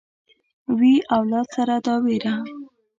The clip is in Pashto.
وي اولاد سره دا وېره